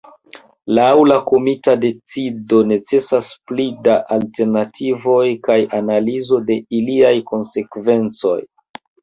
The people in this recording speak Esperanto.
Laŭ la komita decido necesas pli da alternativoj kaj analizo de iliaj konsekvencoj.